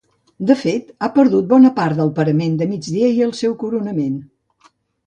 De fet ha perdut bona part del parament de migdia i el seu coronament.